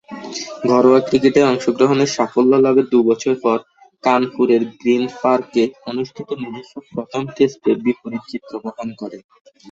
ঘরোয়া ক্রিকেটে অংশগ্রহণে সাফল্য লাভের দুই বছর পর কানপুরের গ্রীন পার্কে অনুষ্ঠিত নিজস্ব প্রথম টেস্টে বিপরীত চিত্র বহন করে।